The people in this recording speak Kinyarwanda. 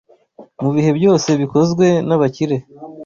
mu bihe byose bikozwe n’abakire